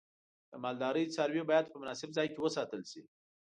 د مالدارۍ څاروی باید په مناسب ځای کې وساتل شي.